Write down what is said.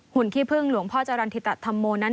หุ่นคิกพึ่งหลวงพ่อจรันทิตถโธรมอนั่น